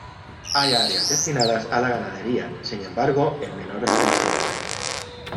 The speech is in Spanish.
Hay áreas destinadas a la ganadería, sin embargo en menor extensión.